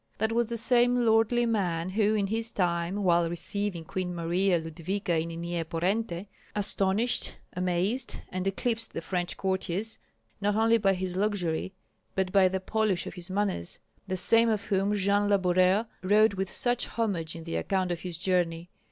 That was the same lordly man who in his time, while receiving Queen Marya Ludwika in Nyeporente, astonished, amazed, and eclipsed the French courtiers, not only by his luxury, but by the polish of his manners, the same of whom Jean La Boureur wrote with such homage in the account of his journey.